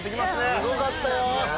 すごかったよ。